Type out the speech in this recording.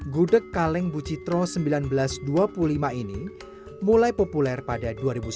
gudeg kaleng bucitro seribu sembilan ratus dua puluh lima ini mulai populer pada dua ribu sepuluh